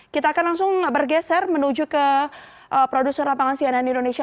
kita akan langsung bergeser menuju ke produser lapangan cnn indonesia